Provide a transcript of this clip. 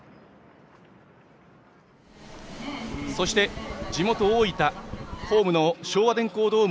そして、地元・大分ホームの昭和電工ドーム